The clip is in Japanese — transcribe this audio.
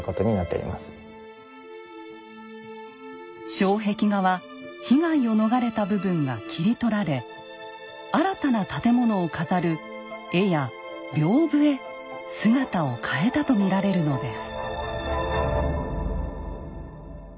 障壁画は被害を逃れた部分が切り取られ新たな建物を飾る絵や屏風へ姿を変えたと見られるのです。